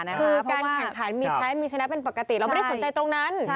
คือการแข่งขันมีแพ้มีชนะเป็นปกติเราไม่ได้สนใจตรงนั้น